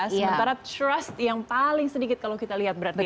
sementara trust yang paling sedikit kalau kita lihat berarti ya